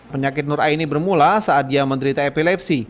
penyakit nur aini bermula saat dia menderita epilepsi